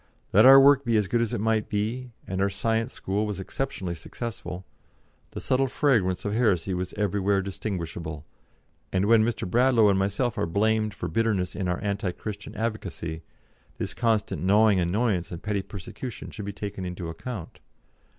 Let our work be as good as it might and our Science School was exceptionally successful the subtle fragrance of heresy was everywhere distinguishable, and when Mr. Bradlaugh and myself are blamed for bitterness in our anti Christian advocacy, this constant gnawing annoyance and petty persecution should be taken into account.